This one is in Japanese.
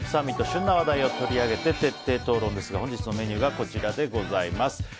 旬な話題を取り上げて徹底討論ですが本日のメニューがこちらです。